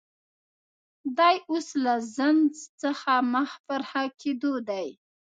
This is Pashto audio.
دی اوس له زنځ څخه مخ پر ښه کېدو دی